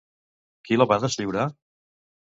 Qui la va deslliurar?